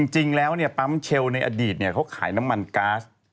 จริงแล้วปั๊มเชลในอดีตเขาขายน้ำมันก๊าซ